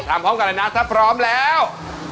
พร้อมกันเลยนะถ้าพร้อมแล้ว